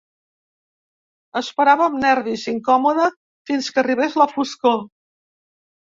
Esperava amb nervis, incòmode, fins que arribés la foscor.